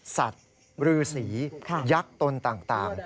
สัตว์รือสียักษ์ตนต่าง